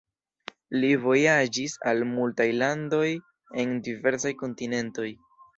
Li vojaĝis al multaj landoj en diversaj kontinentoj.